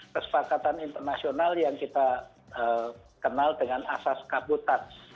kesepakatan internasional yang kita kenal dengan asas kaputat